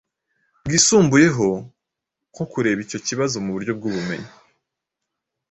bwisumbuyeho nko kureba icyo kibazo muburyo bw’ubumenyi